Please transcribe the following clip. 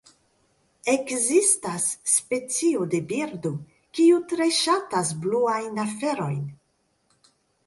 Ekzistas specio de birdo kiu tre ŝatas bluajn aferojn.